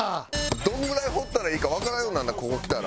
どのぐらい放ったらいいかわからんようになるなここ来たら。